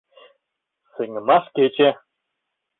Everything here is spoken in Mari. СЕҤЫМАШ КЕЧЕ